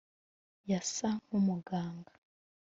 yasa nkumuganga